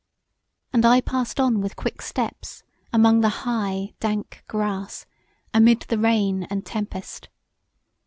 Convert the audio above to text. And I passed on with quick steps among the high, dank grass amid the rain and tempest.